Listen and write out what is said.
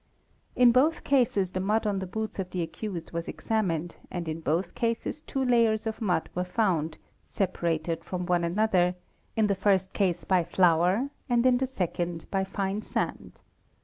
In both cases the mud on the boots of the accused was examined and in both cases two layers of mud were found separated from one another, in" the first case by flour and in the second by fine sand.